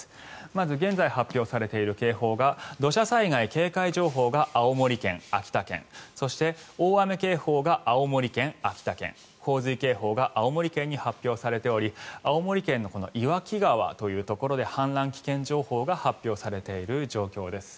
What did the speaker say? まず、現在発表されている警報が土砂災害警戒情報が青森県、秋田県そして大雨警報が青森県、秋田県洪水警報が青森県に発表されており青森県の岩木川というところで氾濫危険情報が発表されている状況です。